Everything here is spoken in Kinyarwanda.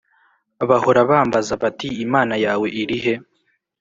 Bahora bambaza bati imana yawe irihe